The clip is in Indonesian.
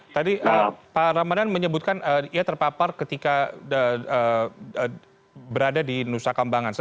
tadi pak ramadan menyebutkan dia terpapar ketika berada di rusakambangan